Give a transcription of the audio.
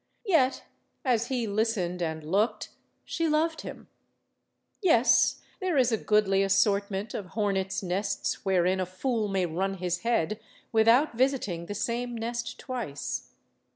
Yet, as he listened and looked, she loved him. Yes, there is a goodly assortment of hornets* nests wherein a fool may run his head without visiting the same nest twice.